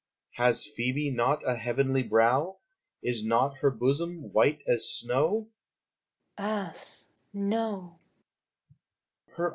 Lover. Has Phoebe not a heavenly brow? Is not her bosom white as snow?